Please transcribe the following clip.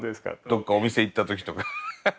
どっかお店行った時とか。